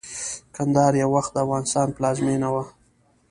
کندهار يٶوخت دافغانستان پلازمينه وه